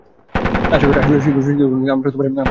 আশাকরি শীঘ্রই কোনো একদিন, আমরা একটু আলাপ করতে পারবো।